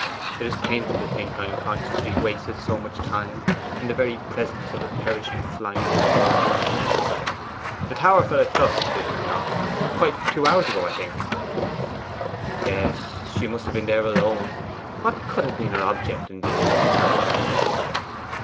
It is painful to think I unconsciously wasted so much time in the very presence of a perishing, flying soul.' 'The tower fell at dusk, did it not? quite two hours ago, I think?' 'Yes. She must have been there alone. What could have been her object in visiting the churchyard then?